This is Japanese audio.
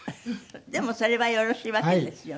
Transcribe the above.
でもそれはよろしいわけですよね。